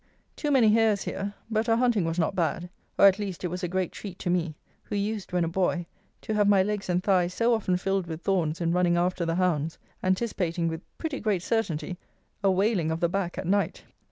Too many hares here; but our hunting was not bad; or, at least, it was a great treat to me, who used, when a boy, to have my legs and thighs so often filled with thorns in running after the hounds, anticipating, with pretty great certainty, a "waling" of the back at night.